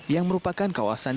yang merupakan kawasan